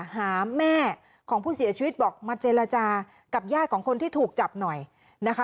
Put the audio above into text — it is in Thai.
หาแม่ของผู้เสียชีวิตบอกมาเจรจากับญาติของคนที่ถูกจับหน่อยนะคะ